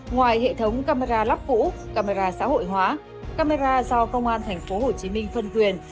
ngoài hệ thống camera lắp cũ camera xã hội hóa camera do công an thành phố hồ chí minh phân quyền